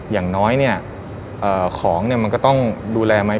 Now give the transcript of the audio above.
อย่างน้อยเนี่ยของเนี่ยมันก็ต้องดูแลไหม